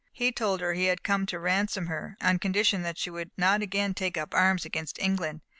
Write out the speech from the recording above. He told her he had come to ransom her, on condition that she would not again take up arms against England.